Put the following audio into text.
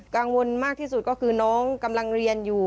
กังวลมากที่สุดก็คือน้องกำลังเรียนอยู่